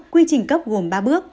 quy trình cấp gồm ba bước